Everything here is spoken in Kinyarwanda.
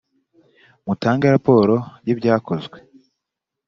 mutange raporo y’ibyakozwe .